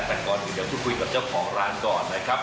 แต่ก่อนอื่นเดี๋ยวพูดคุยกับเจ้าของร้านก่อนนะครับ